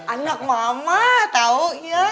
anak mama tau ya